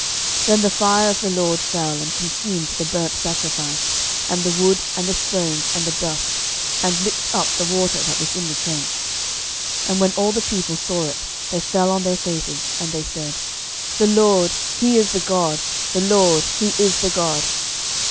11:018:038 Then the fire of the LORD fell, and consumed the burnt sacrifice, and the wood, and the stones, and the dust, and licked up the water that was in the trench. 11:018:039 And when all the people saw it, they fell on their faces: and they said, The LORD, he is the God; the LORD, he is the God.